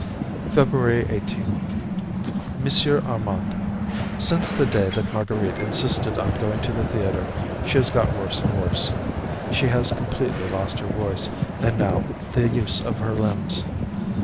February 18. MONSIEUR ARMAND: Since the day that Marguerite insisted on going to the theatre she has got worse and worse. She has completely lost her voice, and now the use of her limbs.